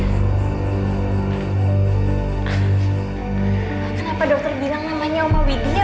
kenapa dokter bilang namanya oma widia